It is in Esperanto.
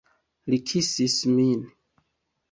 Li kisis min.